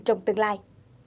trong tương lai